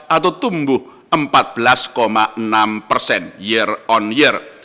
atau tumbuh empat belas enam persen year on year